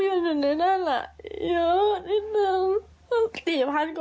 เยอะนิดนึง